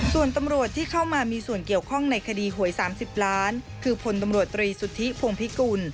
ส่วนตำรวจที่เข้ามามีส่วนเกี่ยวข้องในคดีหวย๓๐ล้านคือพลตำรวจตรีสุทธิพงพิกุล